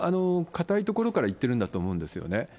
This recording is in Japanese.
堅いところからいってるんだと思うんですよね。